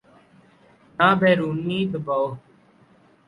نہ بیرونی دباؤ۔